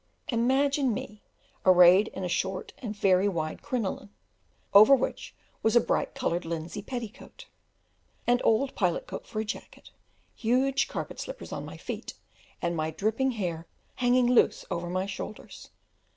Imagine me arrayed in a short and very wide crinoline, over which was a bright coloured linsey petticoat; an old pilot coat for a jacket, huge carpet slippers on my feet, and my dripping hair hanging loose over my shoulders!